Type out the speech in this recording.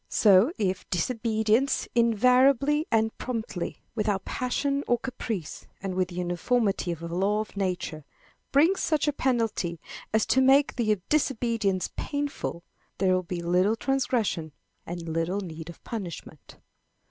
So, if disobedience, invariably and promptly, without passion or caprice, and with the uniformity of a law of nature, brings such a penalty as to make the disobedience painful, there will be little transgression and little need of punishment.